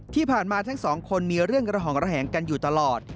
ทั้งสองคนมีเรื่องระห่องระแหงกันอยู่ตลอด